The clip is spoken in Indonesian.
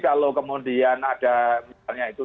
kalau kemudian ada misalnya itu